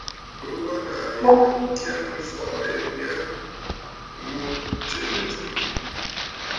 Bɨ wa nàà ya ŋkyà nɨ̂mfɔɔ nya ghu tsiʼì nɨ̀tsɨ̀mə̀.